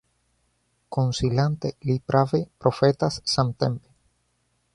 Konsilante, li prave profetas samtempe.